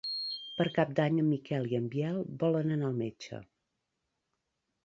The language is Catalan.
Per Cap d'Any en Miquel i en Biel volen anar al metge.